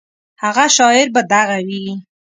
هغه شاعر به دغه وي.